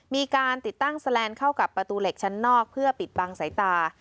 มีการติดตั้งแสลนด์เข้ากับประตูเหล็กชั้นนอกเพื่อปิดบังสายตา